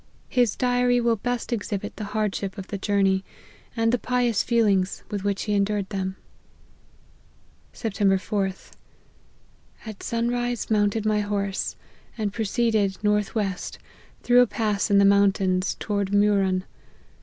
His diary will best exhibit the hardships of the journey, and the pious feelings with which he endured them. " Sept. 4th. At sun rise mounted my horse, and proceeded north west, through a pass in the moun tains, towards Murun.